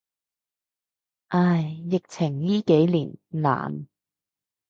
唉，疫情依幾年，難。